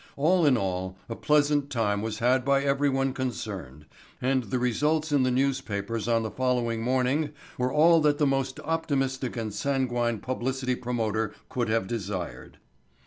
All in all a pleasant time was had by everyone concerned and the results in the newspapers on the following morning were all that the most optimistic and sanguine publicity promoter could have desired.